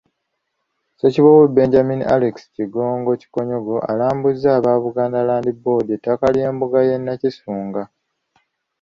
Ssekiboobo Benjamin Alex Kigongo Kikonyogo alambuzza aba Buganda Land Board ettaka ly’embuga y’e Nakisunga.